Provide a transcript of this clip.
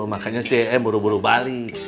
makanya si e m buru buru balik